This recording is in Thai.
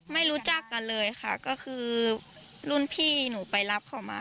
ไม่รู้จักกันเลยคือรุ่นพี่หลุมไปรับเขามา